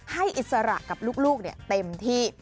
อิสระกับลูกเต็มที่